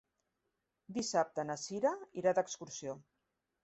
Dissabte na Cira irà d'excursió.